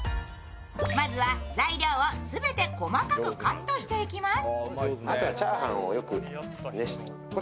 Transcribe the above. まずは材料を全て細かくカットしていきます。